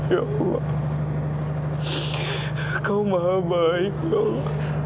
ya kau maha baik ya allah